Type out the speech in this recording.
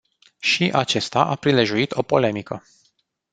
Și acesta a prilejuit o polemică.